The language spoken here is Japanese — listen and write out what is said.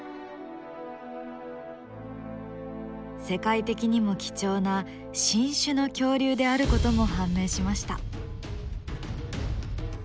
世界的にも貴重な新種の恐竜であることも判明しました。